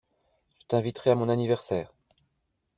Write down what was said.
Je t'inviterai à mon anniversaire.